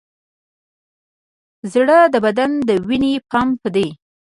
زړه د بدن د وینې پمپ دی.